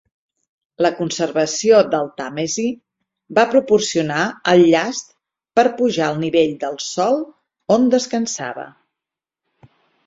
La Conservació del Tàmesi va proporcionar el llast per pujar el nivell del sòl on descansava.